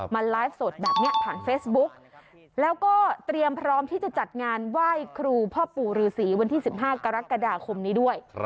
ไลฟ์สดแบบนี้ผ่านเฟซบุ๊กแล้วก็เตรียมพร้อมที่จะจัดงานไหว้ครูพ่อปู่ฤษีวันที่๑๕กรกฎาคมนี้ด้วย